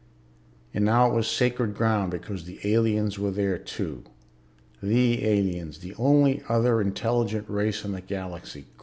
And now it was sacred ground because the aliens were there too. The aliens, the only other intelligent race in the Galaxy